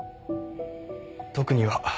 特には。